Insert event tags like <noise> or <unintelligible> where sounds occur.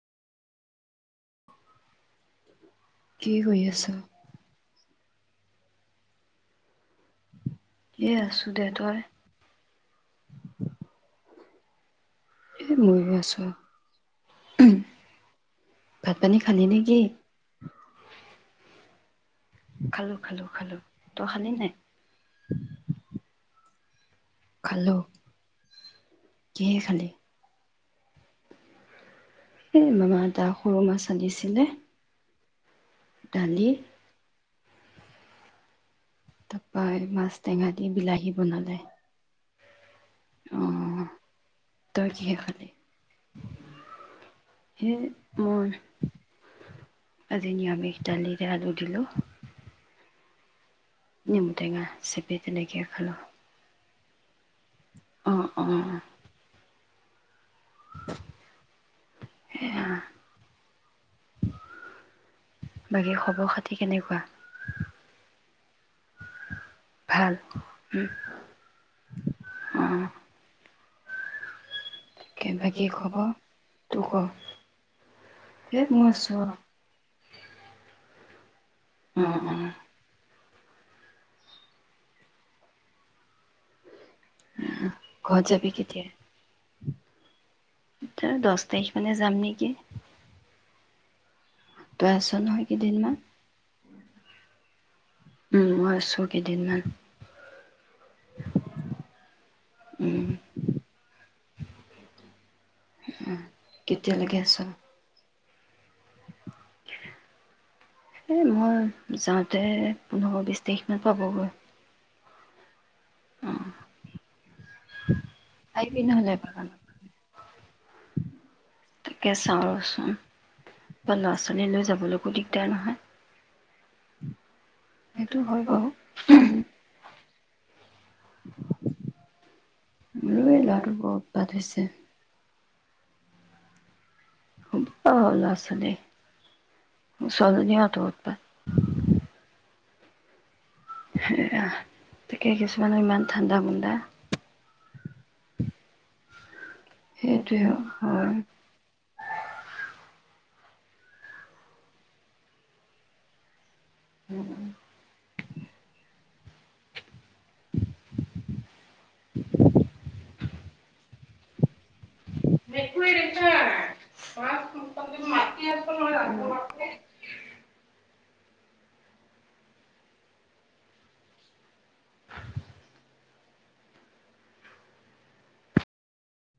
কি কৰি আছা এ আছো দে তই <inaudible> এ ময়ো আছো আৰু ভাত পানী খালি নেকি খালো খালো খালো তই খালি ন খালো কিহে খালি এই মামা এটা সৰু মাছ আনিছিলে দালি তাৰপৰা মাছ টেঙা দি বিলাহী বনালে অ তই কিহে খালি হে মই আজি নিৰামিষ দালিৰে আলু দিলো নিম টেঙা চেক আ তেনেকে খালো অ অ <unintelligible> সেয়া বাকী খবৰ খাতি কেনেকুৱা ভাল অঁ তাক বাক খব তোক ক এ মই আছো আৰু অ উ ঘৰ যাবি কেতিয়া দহ তাৰিখ মানে যাম নেকি একে তই আছ নহয় কেইদিনমান উম আছো কেইদিনমান <unintelligible> অ কেতিয়ালৈকে আছ এ মই যাওঁতে পোন্ধৰ বিশ তাৰিখ মান পাবগৈ উান <unintelligible> তাকে চাওঁ ৰচোন বা ল'ৰা ছোৱালী লৈ যাবলৈকো দিগদাৰ নহয় সেইটো হয় বাৰু <unintelligible> ব এই লৰাটো বত বাদ হৈছে অ লৰাছোৱালী মোৰ ছোৱালীজনিটো উতপাত সেয়া তাকে কিছুমানে ইমান ঠাণ্ডা মন ন সেইটোৱে হয় উম অ মেকুৰী দেকবা মোন মাতি আছো নহয় ৰাধিবে